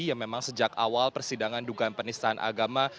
yang memang sejak awal persidangan dugaan penistaan agama